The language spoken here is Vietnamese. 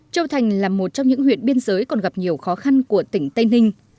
châu thành là một trong những huyện biên giới còn gặp nhiều khó khăn của tỉnh tây ninh